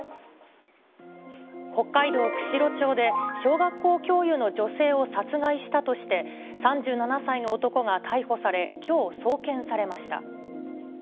北海道釧路町で、小学校教諭の女性を殺害したとして、３７歳の男が逮捕され、きょう送検されました。